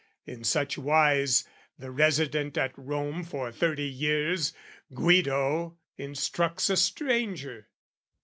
in such wise, The resident at Rome for thirty years, Guido, instructs a stranger!